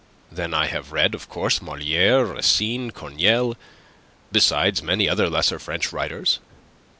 Then I have read, of course, Moliere, Racine, Corneille, besides many other lesser French writers.